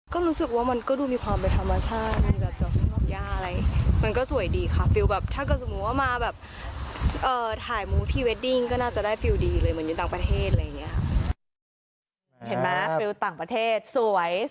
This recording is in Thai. ก็รู้สึกว่ามันก็ดูมีความแบบธรรมชาติมันแบบจากทุ่มดอกย่าอะไร